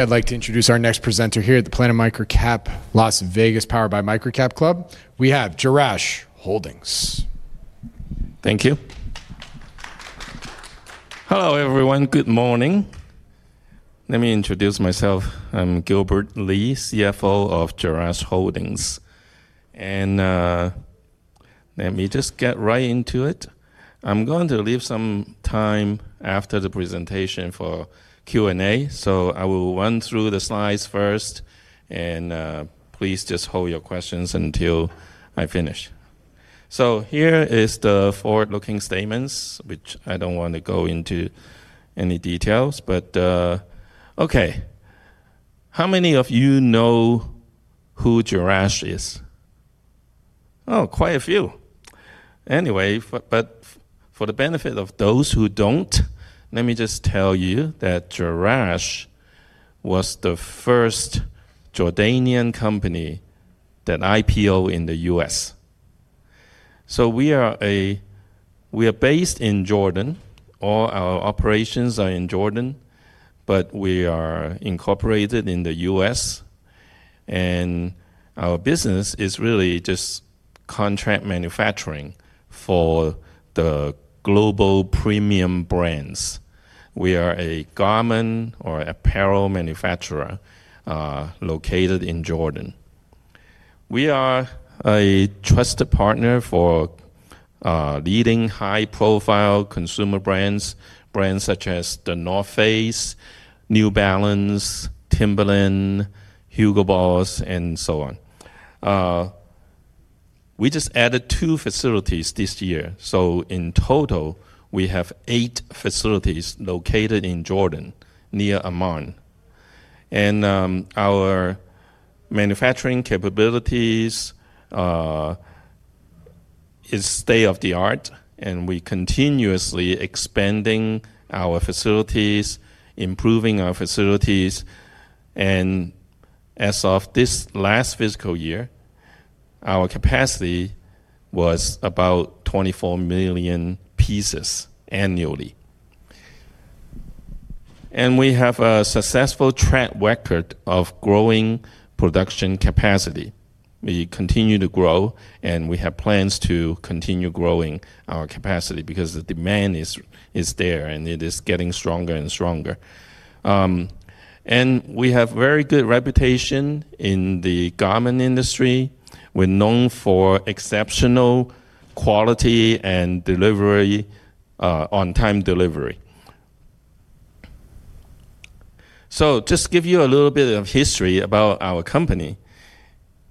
I'd like to introduce our next presenter here at the Planet MicroCap Las Vegas, powered by MicroCapClub. We have Jerash Holdings. Thank you. Hello, everyone. Good morning. Let me introduce myself. I'm Gilbert Lee, CFO of Jerash Holdings. Let me just get right into it. I'm going to leave some time after the presentation for Q&A, so I will run through the slides first. Please just hold your questions until I finish. Here is the forward-looking statements, which I don't want to go into any details. Okay, how many of you know who Jerash is? Oh, quite a few. Anyway, for the benefit of those who don't, let me just tell you that Jerash was the first Jordanian company that IPO in the U.S.. We are based in Jordan. All our operations are in Jordan, but we are incorporated in the U.S., and our business is really just contract manufacturing for the global premium brands. We are a garment or apparel manufacturer located in Jordan. We are a trusted partner for leading high-profile consumer brands such as The North Face, New Balance, Timberland, Hugo Boss, and so on. We just added two facilities this year. In total, we have eight facilities located in Jordan, near Amman. Our manufacturing capabilities is state-of-the-art, we continuously expanding our facilities, improving our facilities. As of this last fiscal year, our capacity was about 24 million pieces annually. We have a successful track record of growing production capacity. We continue to grow, we have plans to continue growing our capacity because the demand is there, it is getting stronger and stronger. We have very good reputation in the garment industry. We're known for exceptional quality and on-time delivery. Just give you a little bit of history about our company.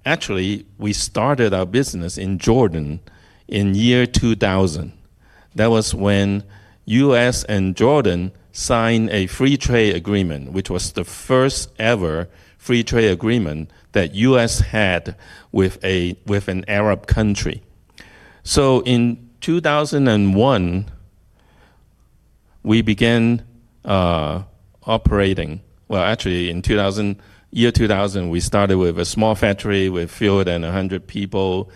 Actually, we started our business in Jordan in year 2000. That was when U.S. and Jordan signed a free trade agreement, which was the first ever free trade agreement that U.S. had with an Arab country. In 2001, we began operating. Well, actually in year 2000, we started with a small factory with fewer than 100 people.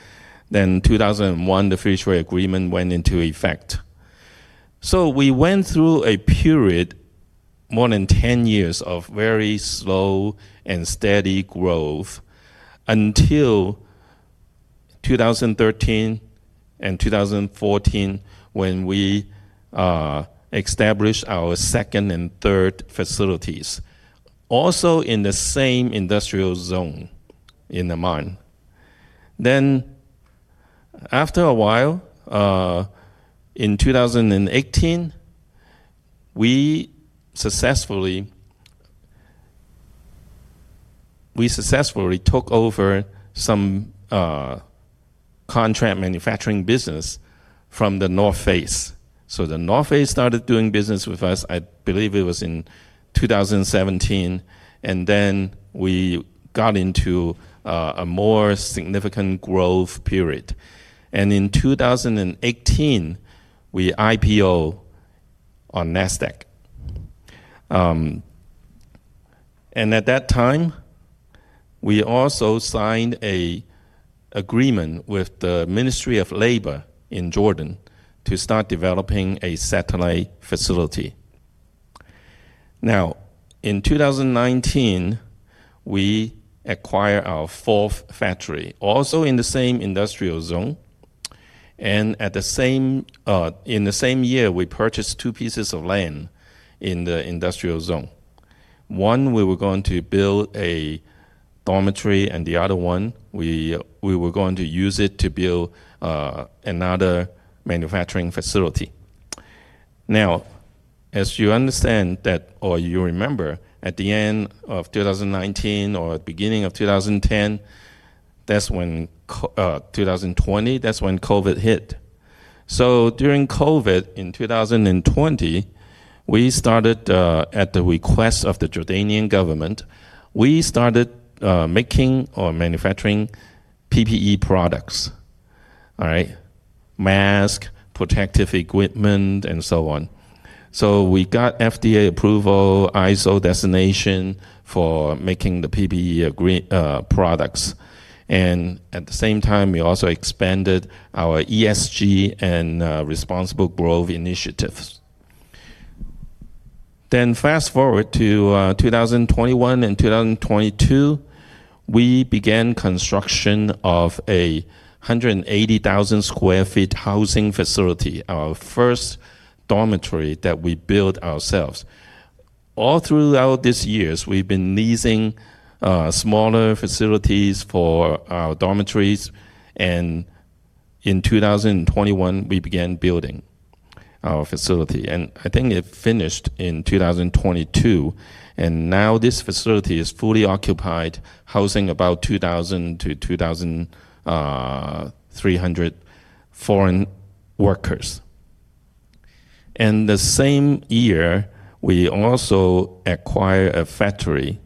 2001, the free trade agreement went into effect. We went through a period, more than 10 years of very slow and steady growth until 2013 and 2014, when we established our second and third facilities, also in the same industrial zone in Amman. After a while, in 2018, we successfully took over some contract manufacturing business from The North Face. The North Face started doing business with us, I believe it was in 2017, we got into a more significant growth period. In 2018, we IPO on Nasdaq. At that time, we also signed an agreement with the Ministry of Labor in Jordan to start developing a satellite facility. In 2019, we acquired our fourth factory, also in the same industrial zone, and in the same year, we purchased two pieces of land in the industrial zone. One we were going to build a dormitory, and the other one we were going to use it to build another manufacturing facility. As you understand that, or you remember, at the end of 2019 or beginning of 2020, that's when COVID hit. During COVID, in 2020, at the request of the Jordanian government, we started making or manufacturing PPE products. All right. Mask, protective equipment, and so on. We got FDA approval, ISO designation for making the PPE products. At the same time, we also expanded our ESG and responsible growth initiatives. Fast-forward to 2021 and 2022, we began construction of a 180,000 square feet housing facility, our first dormitory that we built ourselves. All throughout these years, we've been leasing smaller facilities for our dormitories, in 2021, we began building our facility, I think it finished in 2022. Now this facility is fully occupied, housing about 2,000-2,300 foreign workers. In the same year, we also acquired a factory.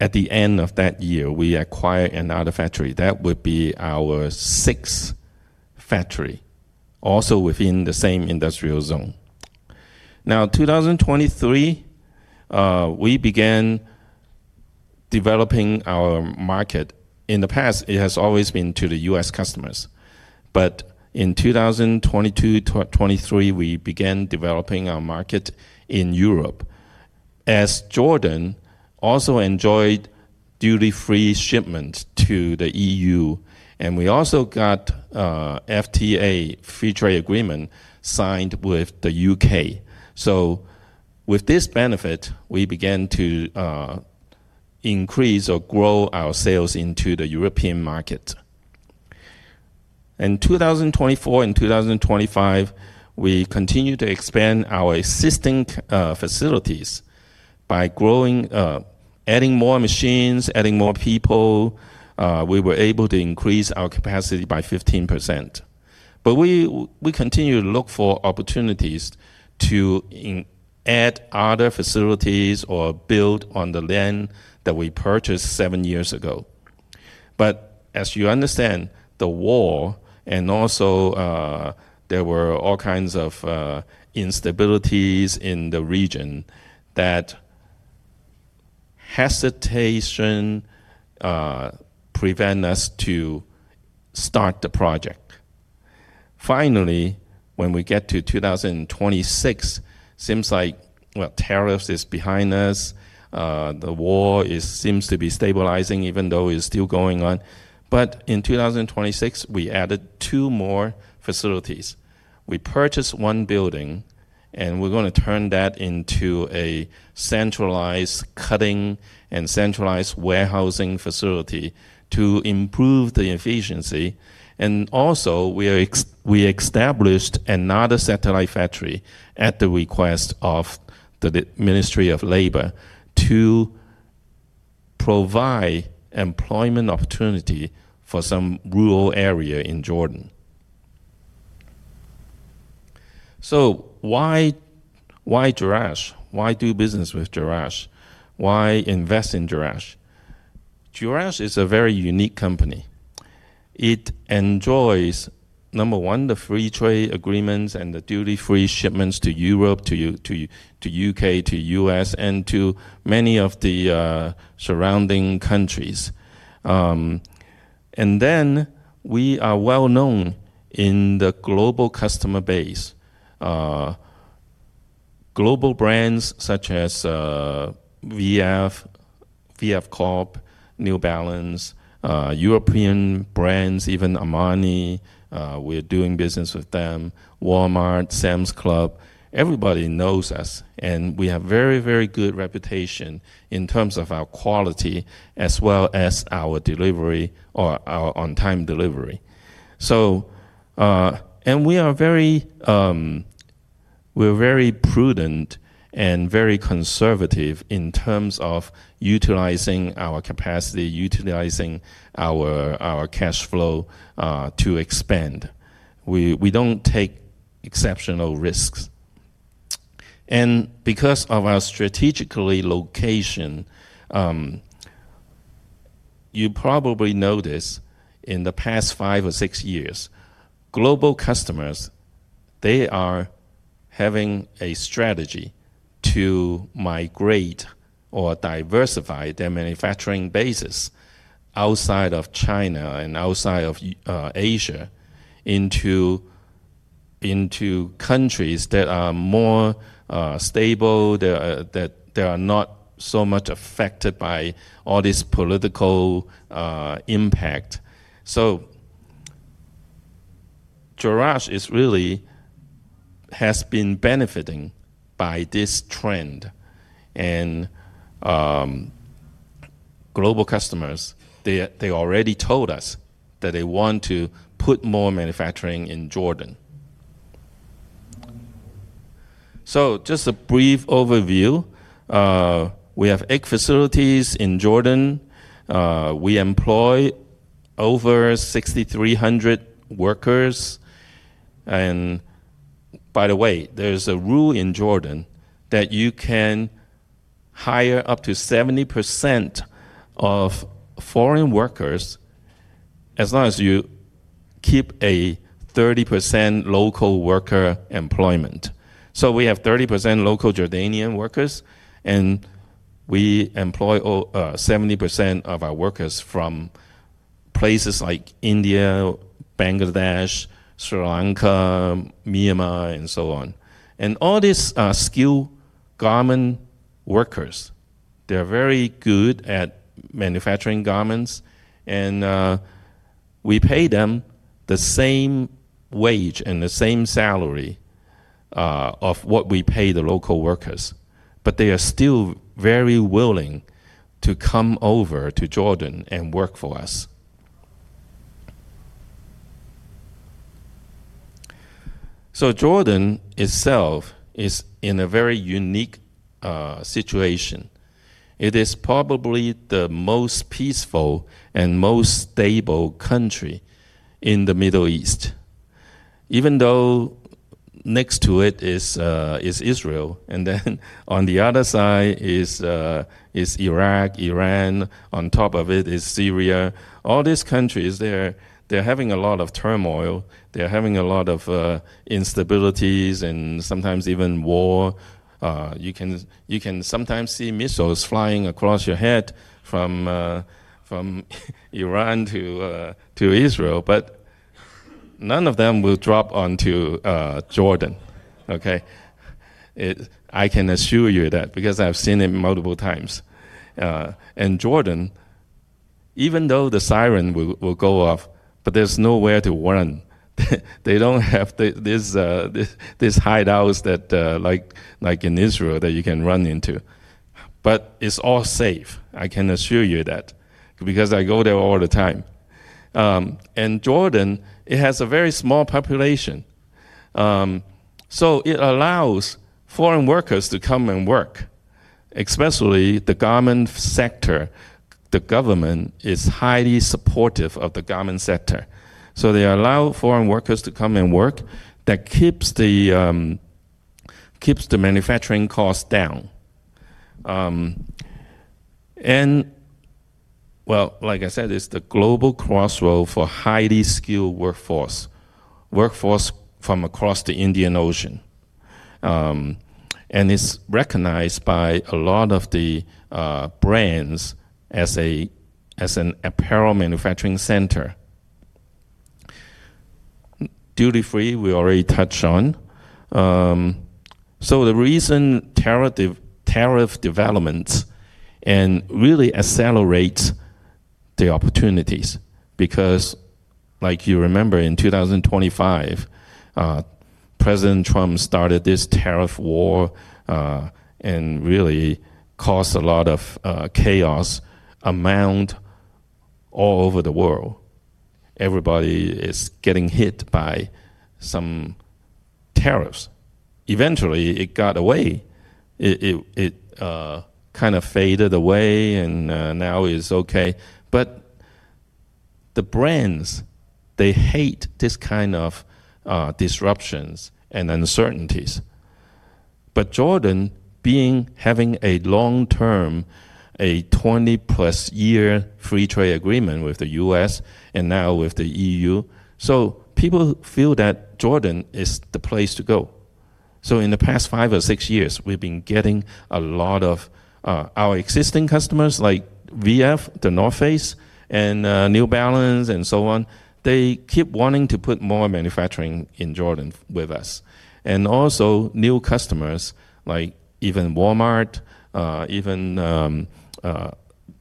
At the end of that year, we acquired another factory. That would be our sixth factory, also within the same industrial zone. 2023, we began developing our market. In the past, it has always been to the U.S. customers. In 2022-2023, we began developing our market in Europe as Jordan also enjoyed duty-free shipments to the EU, and we also got FTA, free trade agreement, signed with the U.K. With this benefit, we began to increase or grow our sales into the European market. In 2024 and 2025, we continued to expand our existing facilities by adding more machines, adding more people. We were able to increase our capacity by 15%. We continued to look for opportunities to add other facilities or build on the land that we purchased seven years ago. As you understand, the war and also there were all kinds of instabilities in the region that hesitation prevented us to start the project. Finally, when we got to 2026, seems like, well, tariffs are behind us. The war seems to be stabilizing even though it's still going on. In 2026, we added two more facilities. We purchased one building, and we're going to turn that into a centralized cutting and centralized warehousing facility to improve the efficiency. Also, we established another satellite factory at the request of the Ministry of Labor to provide employment opportunity for some rural area in Jordan. Why Jerash? Why do business with Jerash? Why invest in Jerash? Jerash is a very unique company. It enjoys, number one, the free trade agreements and the duty-free shipments to Europe, to U.K., to U.S., and to many of the surrounding countries. Then we are well-known in the global customer base. Global brands such as VF Corp, New Balance, European brands, even Armani, we're doing business with them, Walmart, Sam's Club. Everybody knows us, and we have very good reputation in terms of our quality as well as our delivery or our on-time delivery. We're very prudent and very conservative in terms of utilizing our capacity, utilizing our cash flow to expand. We don't take exceptional risks. Because of our strategic location, you probably notice in the past five or six years, global customers, they are having a strategy to migrate or diversify their manufacturing bases outside of China and outside of Asia into countries that are more stable, that are not so much affected by all this political impact. Jerash really has been benefiting by this trend, global customers, they already told us that they want to put more manufacturing in Jordan. Just a brief overview. We have eight facilities in Jordan. We employ over 6,300 workers. By the way, there's a rule in Jordan that you can hire up to 70% of foreign workers as long as you keep a 30% local worker employment. We have 30% local Jordanian workers, and we employ 70% of our workers from Places like India, Bangladesh, Sri Lanka, Myanmar, and so on. All these are skilled garment workers. They're very good at manufacturing garments, we pay them the same wage and the same salary of what we pay the local workers, they are still very willing to come over to Jordan and work for us. Jordan itself is in a very unique situation. It is probably the most peaceful and most stable country in the Middle East. Even though next to it is Israel, on the other side is Iraq, Iran. On top of it is Syria. All these countries, they're having a lot of turmoil. They're having a lot of instabilities and sometimes even war. You can sometimes see missiles flying across your head from Iran to Israel. None of them will drop onto Jordan. I can assure you that, because I've seen it multiple times. In Jordan, even though the siren will go off, there's nowhere to run. They don't have these hideouts like in Israel that you can run into. It's all safe, I can assure you that, because I go there all the time. Jordan, it has a very small population. It allows foreign workers to come and work, especially the garment sector. The government is highly supportive of the garment sector. They allow foreign workers to come and work. That keeps the manufacturing cost down. Well, like I said, it's the global crossroad for highly skilled workforce from across the Indian Ocean. It's recognized by a lot of the brands as an apparel manufacturing center. Duty-free, we already touched on. The recent tariff developments really accelerates the opportunities. Like you remember, in 2025, President Trump started this tariff war, really caused a lot of chaos all over the world. Everybody is getting hit by some tariffs. Eventually, it got away. It kind of faded away, now is okay. The brands, they hate this kind of disruptions and uncertainties. Jordan, having a long-term, a 20+ year free trade agreement with the U.S. and now with the EU, people feel that Jordan is the place to go. In the past five or six years, we've been getting a lot of our existing customers like VF, The North Face, and New Balance, and so on. They keep wanting to put more manufacturing in Jordan with us. Also new customers, like even Walmart.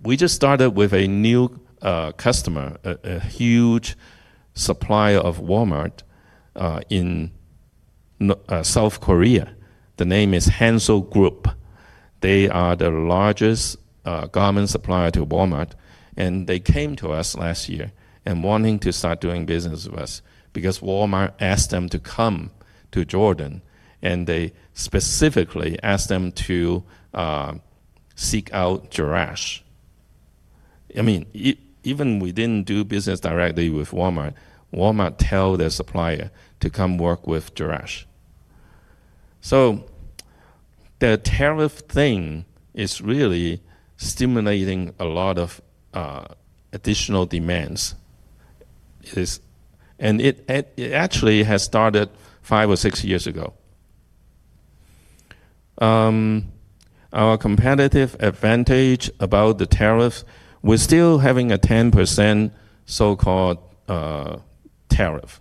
We just started with a new customer, a huge supplier of Walmart, in South Korea. The name is Hansol Group. They are the largest garment supplier to Walmart, and they came to us last year and wanting to start doing business with us because Walmart asked them to come to Jordan, and they specifically asked them to seek out Jerash. Even we didn't do business directly with Walmart tell their supplier to come work with Jerash. The tariff thing is really stimulating a lot of additional demands. It actually has started five or six years ago. Our competitive advantage about the tariff, we're still having a 10% so-called tariff.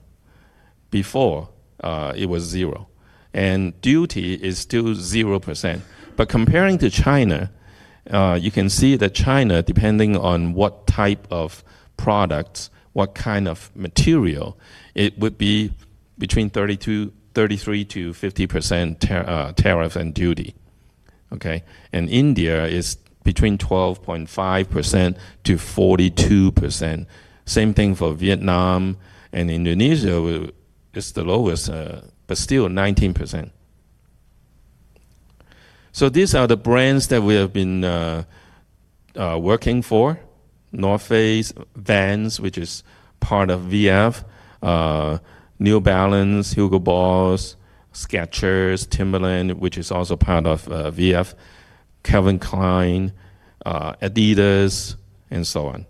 Before, it was zero. Duty is still 0%. Comparing to China, you can see that China, depending on what type of products, what kind of material, it would be between 33%-50% tariff and duty. Okay. India is between 12.5%-42%. Same thing for Vietnam. Indonesia is the lowest, but still 19%. These are the brands that we have been working for. The North Face, Vans, which is part of VF, New Balance, Hugo Boss, Skechers, Timberland, which is also part of VF, Calvin Klein, Adidas, and so on.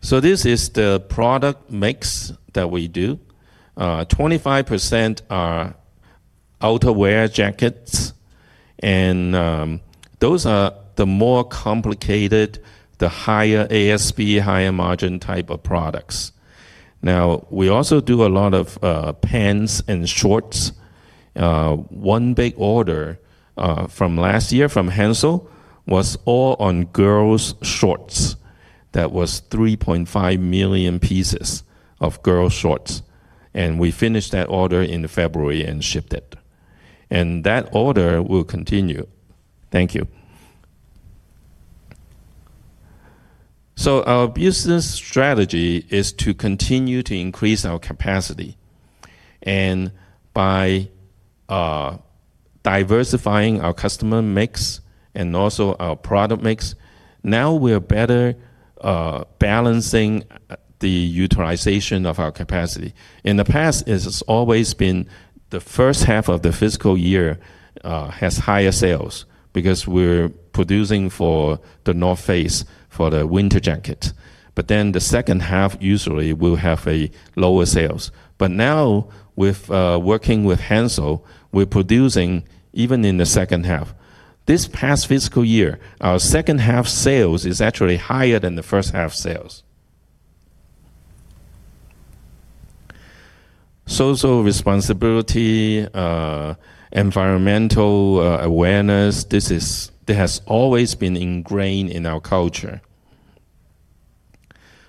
This is the product mix that we do. 25% Outerwear jackets. Those are the more complicated, the higher ASP, higher margin type of products. Now, we also do a lot of pants and shorts. One big order from last year from Hansol was all on girls' shorts. That was 3.5 million pieces of girls' shorts. We finished that order in February and shipped it. That order will continue. Thank you. Our business strategy is to continue to increase our capacity. By diversifying our customer mix and also our product mix, now we're better balancing the utilization of our capacity. In the past, it has always been the first half of the fiscal year has higher sales because we're producing for The North Face for the winter jacket. The second half usually will have a lower sales. Now with working with Hansol, we're producing even in the second half. This past fiscal year, our second half sales is actually higher than the first half sales. Social responsibility, environmental awareness, this has always been ingrained in our culture.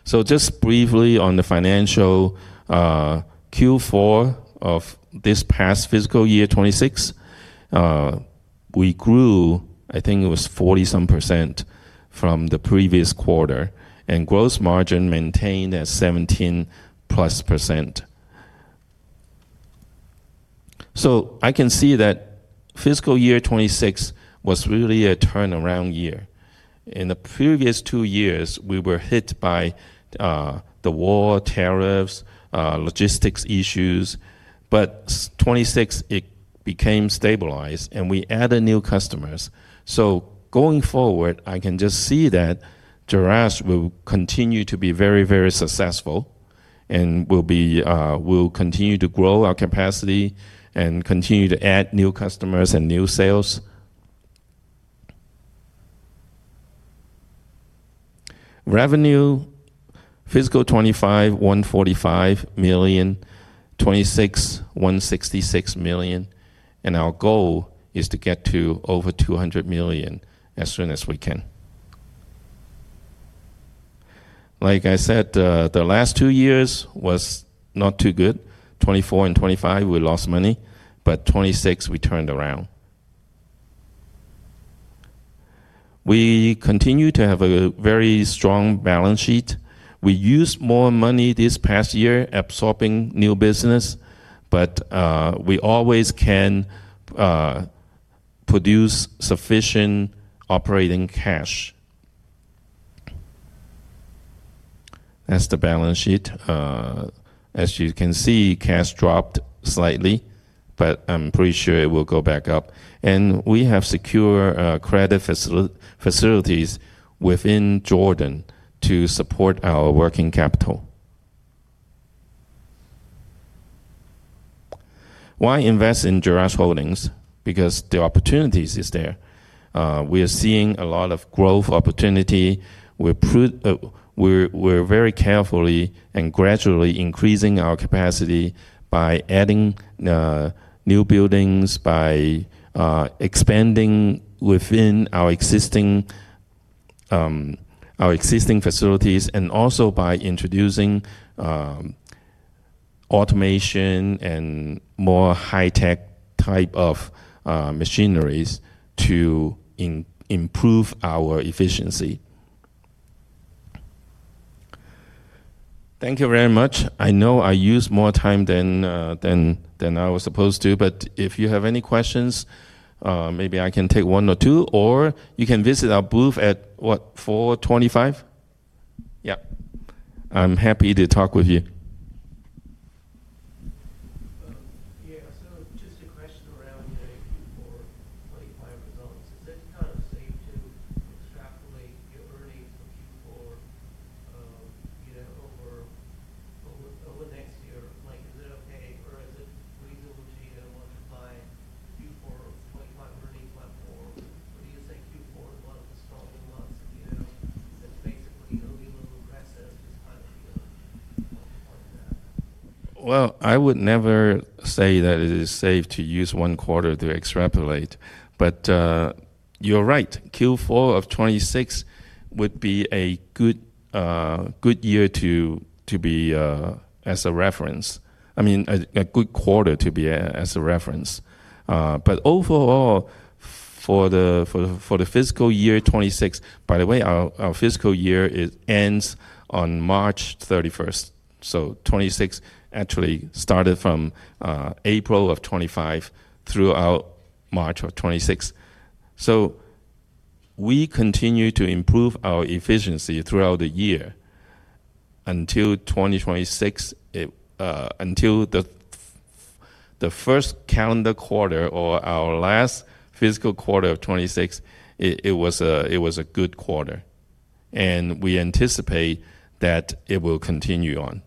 Just briefly on the financial Q4 of this past fiscal year 2026, we grew, I think it was 40-some percent from the previous quarter, and gross margin maintained at 17-plus%. I can see that fiscal year 2026 was really a turnaround year. In the previous two years, we were hit by the war, tariffs, logistics issues, but 2026, it became stabilized, and we added new customers. Going forward, I can just see that Jerash will continue to be very, very successful and we'll continue to grow our capacity and continue to add new customers and new sales. Revenue fiscal 2025, $145 million, 2026, $166 million, and our goal is to get to over $200 million as soon as we can. Like I said, the last two years was not too good. 2024 and 2025, we lost money, but 2026, we turned around. We continue to have a very strong balance sheet. We used more money this past year absorbing new business, but we always can produce sufficient operating cash. That's the balance sheet. As you can see, cash dropped slightly, but I'm pretty sure it will go back up. We have secure credit facilities within Jordan to support our working capital. Why invest in Jerash Holdings? Because the opportunities is there. We are seeing a lot of growth opportunity. We're very carefully and gradually increasing our capacity by adding new buildings, by expanding within our existing facilities, and also by introducing automation and more high-tech type of machineries to improve our efficiency. Thank you very much. I know I used more time than I was supposed to. If you have any questions, maybe I can take one or two, or you can visit our booth at, what, 425? Yes. I'm happy to talk with you. Just a question around the Q4 2025 results. Is it kind of safe to extrapolate your earnings from Q4 over next year? Is it okay, or is it reasonable to multiply Q4 of 2026 earnings by four? Do you think Q4 was one of the stronger months? Is it basically a little aggressive, this kind of view? What's your thought on that? Well, I would never say that it is safe to use one quarter to extrapolate. You're right, Q4 of 2026 would be a good year to be as a reference. I mean, a good quarter to be as a reference. Overall, for the fiscal year 2026. By the way, our fiscal year, it ends on March 31st. 2026 actually started from April of 2025 throughout March of 2026. We continue to improve our efficiency throughout the year until 2026, until the first calendar quarter or our last fiscal quarter of 2026, it was a good quarter. We anticipate that it will continue on.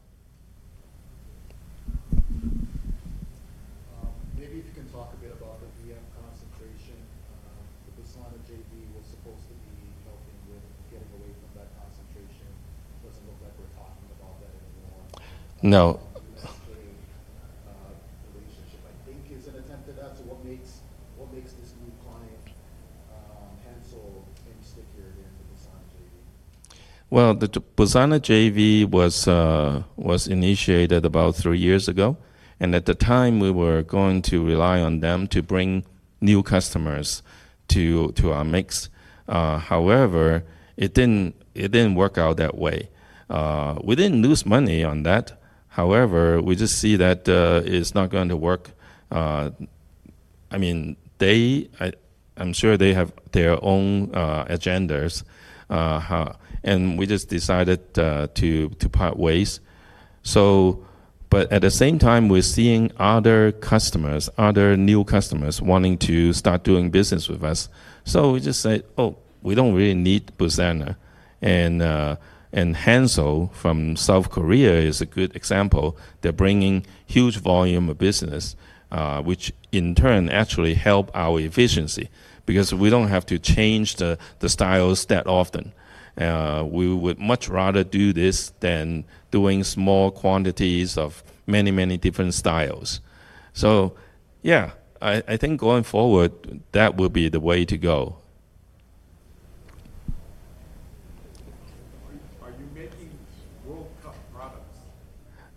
Maybe if you can talk a bit about the VM concentration. The Busana JV was supposed to be helping with getting away from that concentration. It doesn't look like we're talking about that anymore. No. The Maxsteam relationship, I think, is an attempt at that. What makes this new client, Hansol, any stickier than the Busana JV? Well, the Busana JV was initiated about three years ago, and at the time, we were going to rely on them to bring new customers to our mix. However, it didn't work out that way. We didn't lose money on that. However, we just see that it's not going to work. I'm sure they have their own agendas, and we just decided to part ways. At the same time, we're seeing other new customers wanting to start doing business with us. We just say, "Oh, we don't really need Busana." Hansol from South Korea is a good example. They're bringing huge volume of business, which in turn actually help our efficiency because we don't have to change the styles that often. We would much rather do this than doing small quantities of many different styles. Yeah, I think going forward, that will be the way to go.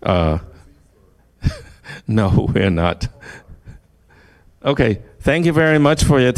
Are you making World Cup products? No, we're not. Okay. Thank you very much for your.